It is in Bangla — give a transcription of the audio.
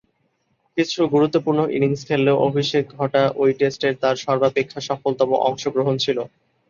কিছু গুরুত্বপূর্ণ ইনিংস খেললেও অভিষেক ঘটা ঐ টেস্টেই তার সর্বাপেক্ষা সফলতম অংশগ্রহণ ছিল।